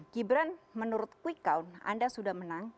gibran menurut quick count anda sudah menang